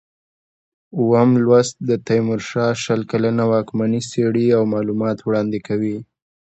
اووم لوست د تیمورشاه شل کلنه واکمني څېړي او معلومات وړاندې کوي.